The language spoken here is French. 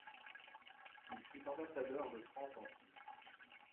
Il fut ambassadeur de France en Suisse.